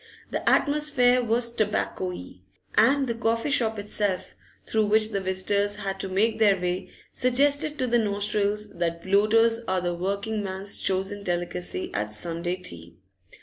The atmosphere was tobaccoey, and the coffee shop itself, through which the visitors had to make their way, suggested to the nostrils that bloaters are the working man's chosen delicacy at Sunday tea.